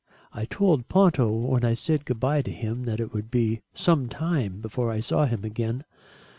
I told Ponto when I said good bye to him that it would be some time before I saw him again.